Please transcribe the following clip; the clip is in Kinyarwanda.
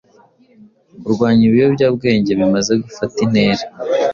kurwanya ibiyobyabwenge bimaze gufata intera